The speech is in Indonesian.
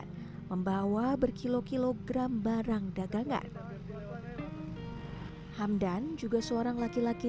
nambah bisa bang tiga puluh ribu